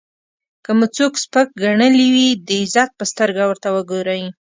که مو څوک سپک ګڼلی وي د عزت په سترګه ورته وګورئ.